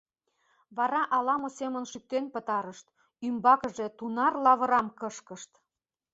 Вара ала-мо семын шӱктен пытарышт, ӱмбакыже тунар лавырам кышкышт!